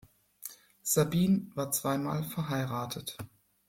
Sabin war zweimal verheiratet.